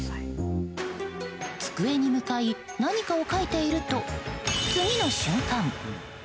机に向かい、何かを書いていると次の瞬間。